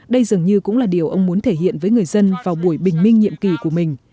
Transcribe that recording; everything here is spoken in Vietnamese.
đây dường như cũng là điều ông muốn thể hiện với người dân vào buổi bình minh nhiệm kỳ của mình